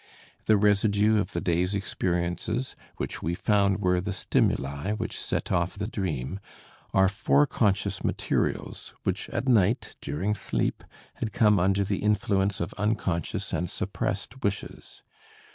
The residue of the day's experiences, which we found were the stimuli which set off the dream, are fore conscious materials which at night, during sleep, had come under the influence of unconscious and suppressed wishes.